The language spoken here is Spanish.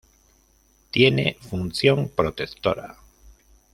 Tiene función protectora.